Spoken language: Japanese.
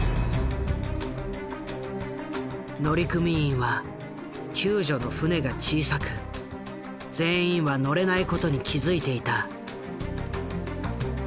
乗組員は救助の船が小さく全員は乗れないことに気付いていた。